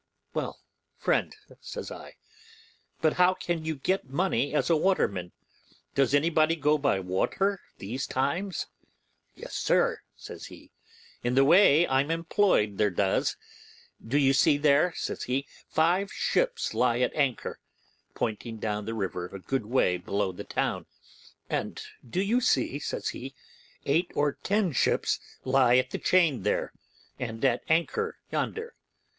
'Well, friend,' says I, 'but how can you get any money as a waterman? Does any body go by water these times?' 'Yes, sir,' says he, 'in the way I am employed there does. Do you see there,' says he, 'five ships lie at anchor' (pointing down the river a good way below the town), 'and do you see', says he, 'eight or ten ships lie at the chain there, and at anchor yonder?